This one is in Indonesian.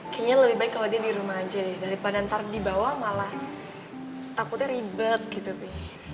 kayaknya lebih baik kalau dia di rumah aja daripada ntar di bawah malah takutnya ribet gitu sih